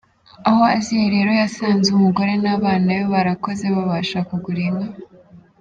Aho aziye rero yasanze umugore n’abana be barakoze babasha kugura inka.